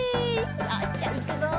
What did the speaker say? よしじゃいくぞ！